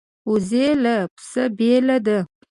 وزې له پسه بېله ده